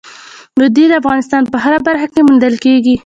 وادي د افغانستان په هره برخه کې موندل کېږي.